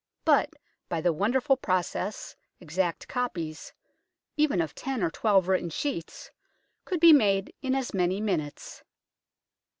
But by the wonderful process exact copies, even of ten of twelve written sheets, could be made in as many minutes.